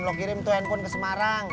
lo kirim tuh handphone ke semarang